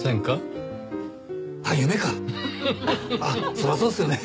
そりゃそうっすよね。